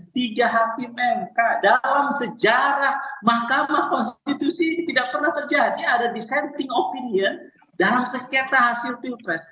tiga hakim mk dalam sejarah mahkamah konstitusi ini tidak pernah terjadi ada dissenting opinion dalam sengketa hasil pilpres